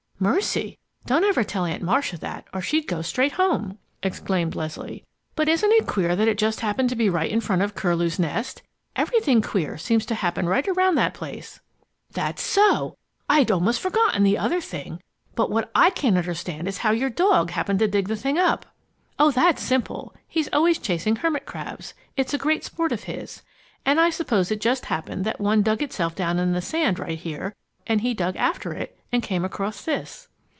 "Mercy! Don't ever tell Aunt Marcia that, or she'd go straight home!" exclaimed Leslie. "But isn't it queer that it just happened to be right in front of Curlew's Nest! Everything queer seems to happen right around that place." "That's so! I'd almost forgotten the other thing. But what I can't understand is how your dog happened to dig the thing up." "Oh, that's simple! He's always chasing hermit crabs it's a great sport of his. And I suppose it just happened that one dug itself down in the sand right here, and he dug after it and then came across this."